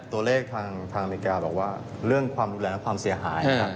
ตัวเลขทางอเมริกาบอกว่าเรื่องความรุนแรงและความเสียหาย